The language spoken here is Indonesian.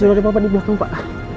kurit kursi roda di belakang pak